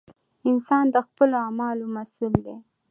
انسان د خپلو اعمالو مسؤول دی!